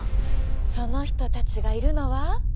その人たちがいるのは。